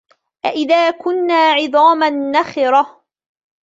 أَإِذَا كُنَّا عِظَامًا نَخِرَةً